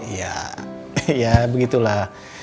iya ya begitulah